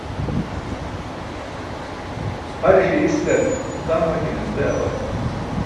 Pʰariṣe iskar tam hakinas be awaji.